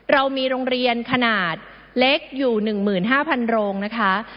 เรามีโรงเรียนขนาดเล็กอยู่๑๕๐๐โรงนะคะ